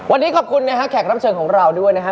วันนี้ขอบคุณนะฮะแขกรับเชิญของเราด้วยนะฮะ